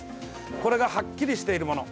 これが、はっきりしているもの。